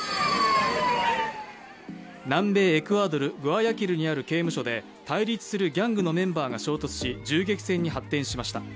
南米エクアドル・グアヤキルにある刑務所で対立するギャングのメンバーが衝突し、銃撃戦に発展しました。